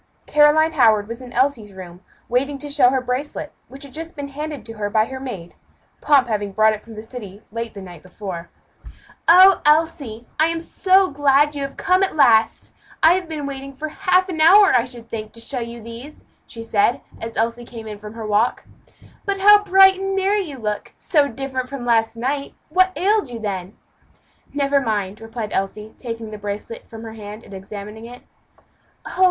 Caroline Howard was in Elsie's room, waiting to show her bracelet, which had just been handed to her by her maid; Pomp having brought it from the city late the night before. "Oh! Elsie, I am so glad you have come at last. I have been waiting for half an hour, I should think, to show you these," she said, as Elsie came in from her walk. "But how bright and merry you look; so different from last night! what ailed you then?" "Never mind," replied Elsie, taking the bracelet from her hand, and examining it. "Oh!